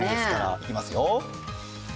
いきますよ。